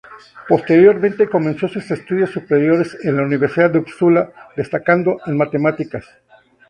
Posteriormente comenzó sus estudios superiores en la Universidad de Upsala, destacando en matemáticas.